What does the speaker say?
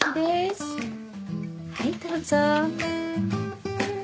はいどうぞ。